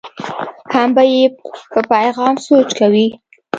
هم به یې په پیغام سوچ کوي.